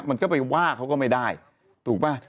มันก็ไปว่าเขาก็ไม่ได้ถูกป่ะ